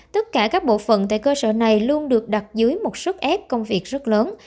tất cả các bộ phận tại cơ sở này luôn được đặt dưới một sức ép công việc rất lớn